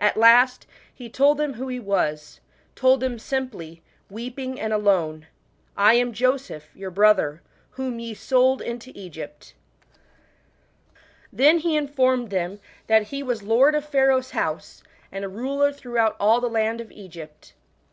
At last he told them who he was told them simply, weeping and alone, " I am ^Joseph your brother, whom ye sold into Egypt/' Then he informed them that he was lord of 22 JACOB IN EGYPT. [B.C. 1706. Pharaoh's house, and a ruler throughout all the land of Egypt.